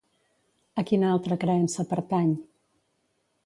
A quina altra creença pertany?